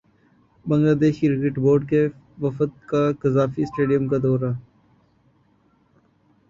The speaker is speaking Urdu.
بنگلادیش کرکٹ بورڈ کے وفد کا قذافی اسٹیڈیم کا دورہ